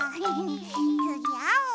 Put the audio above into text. つぎあお！